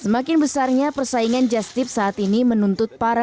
semakin besarnya persaingan jastip saat ini menuntut para penyedia jualan